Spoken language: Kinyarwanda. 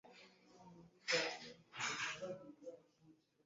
iyo witariye icyizere cyangwa wihebye